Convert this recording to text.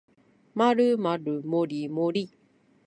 まるまるもりもり